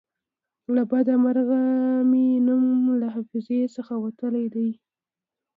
له بده مرغه مې نوم له حافظې څخه وتلی دی.